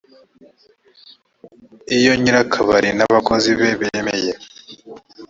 iyo nyir’ akabari n’ abakozi be bemeye